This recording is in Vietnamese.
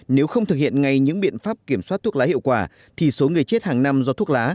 nếu không thực hiện ngay những biện pháp kiểm soát thuốc lá hiệu quả thì số người chết hàng năm do thuốc lá